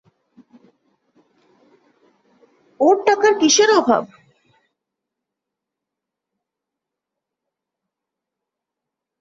ওর টাকার কিসের অভাব?